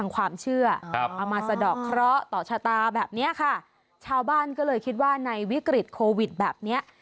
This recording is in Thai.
เอามาสะดอกเคราะห์ต่อชะตาแบบนี้ค่ะชาวบ้านก็เลยคิดว่าในวิกฤตโควิดแบบเนี้ย